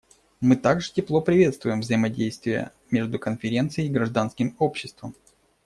Мы также тепло приветствуем взаимодействие между Конференцией и гражданским обществом.